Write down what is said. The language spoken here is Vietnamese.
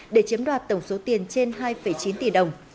để chiếm đoạt tổng số tiền trên hai chín tỷ đồng